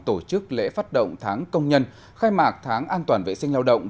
tổ chức lễ phát động tháng công nhân khai mạc tháng an toàn vệ sinh lao động